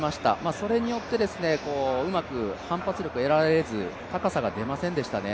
それによってうまく反発力を得られず、高さが出ませんでしたね。